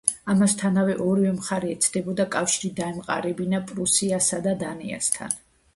ამასთანავე ორივე მხარე ეცდებოდა კავშირი დაემყარებინა პრუსიასა და დანიასთან.